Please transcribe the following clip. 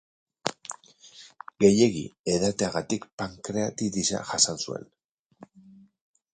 Gehiegi edateagatik pankreatitisa jasan zuen.